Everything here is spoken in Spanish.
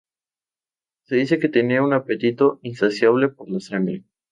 Se dice que tienen un apetito insaciable por la sangre.